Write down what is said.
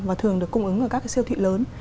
và thường được cung ứng ở các cái siêu thị lớn